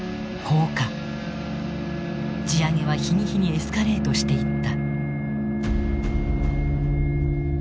地上げは日に日にエスカレートしていった。